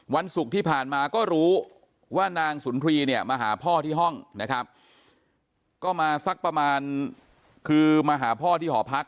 วันศุกร์ที่ผ่านมาก็รู้ว่านางสุนทรีย์เนี่ยมาหาพ่อที่ห้องนะครับก็มาสักประมาณคือมาหาพ่อที่หอพัก